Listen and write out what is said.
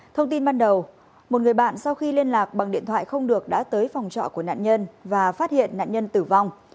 thông tin ban đầu một người bạn sau khi liên lạc bằng điện thoại không được đã tới phòng trọ của nạn nhân và phát hiện nạn nhân tử vong